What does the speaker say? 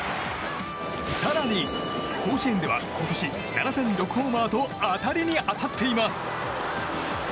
更に甲子園では今年７戦６ホーマーと当たりに当たっています。